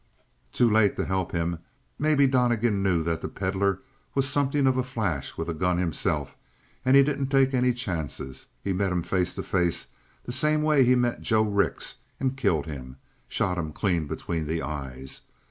"Too late to help him. Maybe Donnegan knew that the Pedlar was something of a flash with a gun himself, and he didn't take any chances. He'd met him face to face the same way he met Joe Rix and killed him. Shot him clean between the eyes.